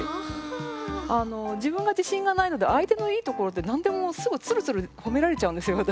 自分が自信がないので相手のいいところって何でもすぐつるつる褒められちゃうんですよ私。